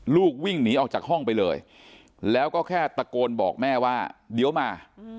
ลูกวิ่งหนีออกจากห้องไปเลยแล้วก็แค่ตะโกนบอกแม่ว่าเดี๋ยวมา